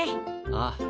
ああ。